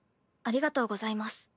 ありがとうございます。